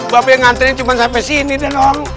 bapak yang ngantrin cuman sampe sini deh dong